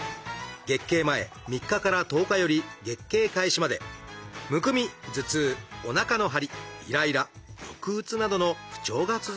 月経前３日から１０日より月経開始まで「むくみ」「頭痛」「おなかの張り」「イライラ」「抑うつ」などの不調が続くというもの。